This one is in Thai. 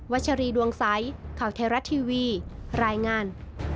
ัชรีดวงใสข่าวไทยรัฐทีวีรายงาน